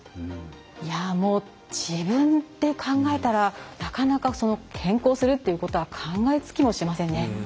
自分で考えたら、なかなか変更するっていうことは考えつきもしませんね。